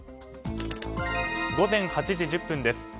午前８時１０分です。